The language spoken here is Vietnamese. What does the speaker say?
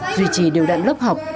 duy trì đều đặn lớp học